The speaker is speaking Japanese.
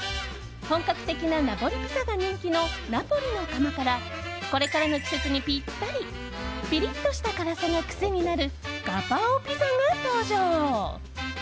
本格的なナポリピザが人気のナポリの窯からこれからの季節にピッタリピリッとした辛さが癖になるガパオピザが登場。